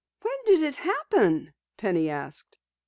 "When did it happen?" Penny asked.